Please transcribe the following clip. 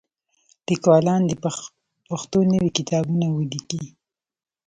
لیکوالان دې په پښتو نوي کتابونه ولیکي.